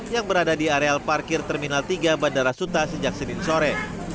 yang berada di areal parkir terminal tiga bandara suta sejak senin sore